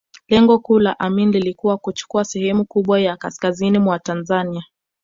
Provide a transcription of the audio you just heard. Lengo kuu la Amin lilikuwa kuchukua sehemu kubwa ya kaskazini mwa Tanzania